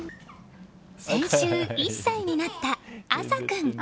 先週、１歳になった朝渚君。